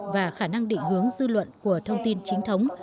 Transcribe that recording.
và khả năng định hướng dư luận của thông tin chính thống